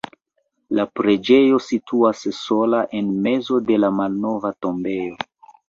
La preĝejo situas sola en mezo de la malnova tombejo.